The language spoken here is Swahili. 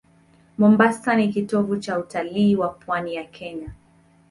Mombasa ni kitovu cha utalii wa pwani ya Kenya.